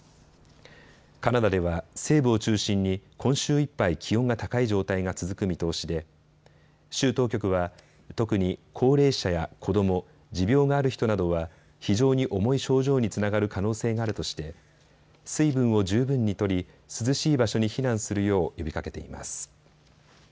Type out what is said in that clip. カナダでは西部を中心に今週いっぱい気温が高い状態が続く見通しで州当局は特に高齢者や子ども、持病がある人などは非常に重い症状につながる可能性があるとして水分を十分にとり、涼しい場所に避難するよう呼びかけています。